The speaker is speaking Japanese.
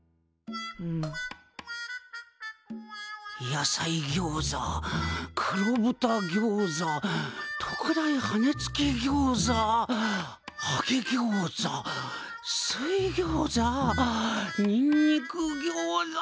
野菜餃子黒豚餃子特大羽根つき餃子揚げ餃子水餃子にんにく餃子。